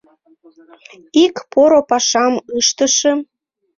Ик поро пашам ыштышым...